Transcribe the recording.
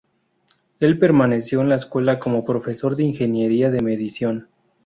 Él permaneció en la escuela como profesor de Ingeniería de Medición.